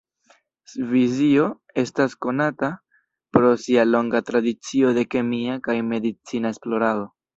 Svisio estas konata pro sia longa tradicio de kemia kaj medicina esplorado.